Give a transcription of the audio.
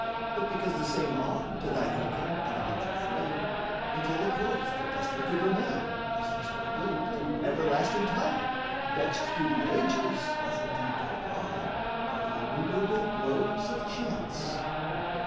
But because the same Are, to thy thinking, of a nature frail, It ill accords that thus they could remain (As thus they do) through everlasting time, Vexed through the ages (as indeed they are) By the innumerable blows of chance.